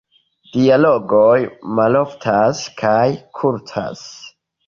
Dialogoj maloftas kaj kurtas.